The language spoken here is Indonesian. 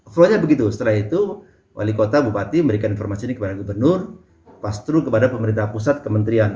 flow nya begitu setelah itu wali kota bupati memberikan informasi ini kepada gubernur pastru kepada pemerintah pusat kementerian